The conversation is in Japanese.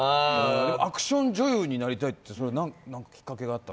アクション女優になりたいって、何かきっかけがあったの？